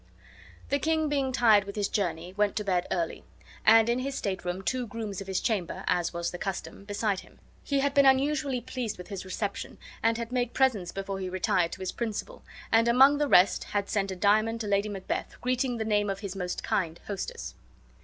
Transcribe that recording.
The king, being tired with his journey, went early to bed, and in his state room two grooms of his chamber (as was the custom) beside him. He had been unusually pleased with his reception, and had made presents before he retired to his principal ; and among the rest had sent a diamond to Lady Macbeth, greeting the name of his most kind hostess.